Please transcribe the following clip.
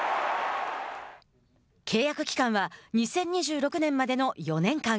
契約期間は、２０２６年までの４年間。